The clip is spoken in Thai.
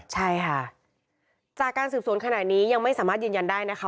ใช่ค่ะจากการสืบสวนขณะนี้ยังไม่สามารถยืนยันได้นะคะ